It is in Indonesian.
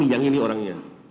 oh yang ini orangnya